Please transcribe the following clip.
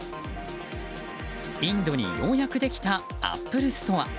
インドにようやくできたアップルストア。